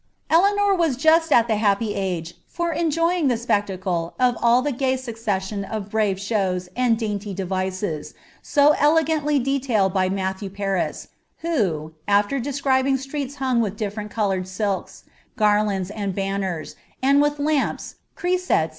Eleanor was just at the happy age for enjoj ing the spectncle tt iS the gay succession of brave shows and dainty devices, so elegnndr d« lailed by Matthew Paris, who, after describing streets hung with ilifltiM coloured silks, garlands, and banners, and with lamps, emsets.